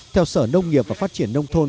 theo sở nông nghiệp và phát triển nông thôn